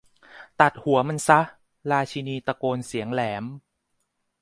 ตัดหัวมันซะ ! ราชินีตะโกนเสียงแหลม